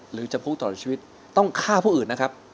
หรือจำคุกตลอดชีวิตต้องฆ่าผู้อื่นนะครับ